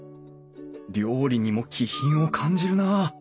料理にも気品を感じるなあ。